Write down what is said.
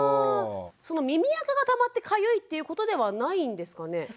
その耳あかがたまってかゆいっていうことではないんですかね？